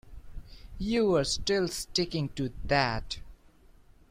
You're still sticking to that?